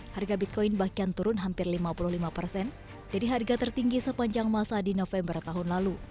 harga bitcoin bahkan turun hampir lima puluh lima persen dari harga tertinggi sepanjang masa di november tahun lalu